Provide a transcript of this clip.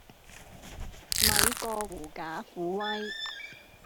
咪過狐假虎威